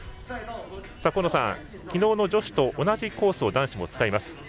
河野さん、昨日の女子と同じコースを男子も使います。